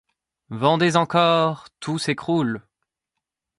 Vendez encore ! Tout s'écroule !